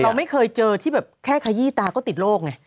เราไม่เคยเจอที่แค่ขยี้ตาก็ติดโลก